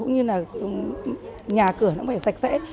nhà cửa cũng phải sạch sẽ